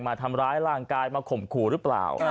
มาทำร้ายร่างกายมาข่มขู่หรือเปล่า